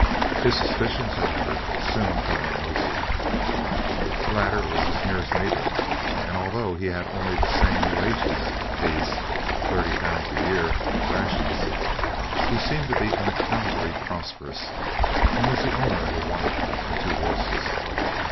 His suspicions, however, soon fell on Nosey. The latter was his nearest neighbour, and although he had only the same wages viz., thirty pounds a year and rations he seemed to be unaccountably prosperous, and was the owner of a wife and two horses.